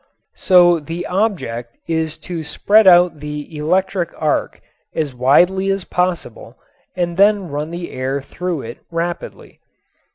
So the object is to spread out the electric arc as widely as possible and then run the air through it rapidly.